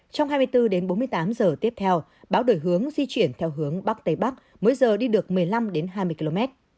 trong hai mươi bốn đến bốn mươi tám giờ tiếp theo bão đổi hướng di chuyển theo hướng bắc tây bắc mỗi giờ đi được một mươi năm hai mươi km